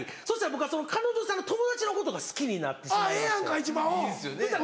そしたら僕がその彼女さんの友達のことが好きになってしまいまして。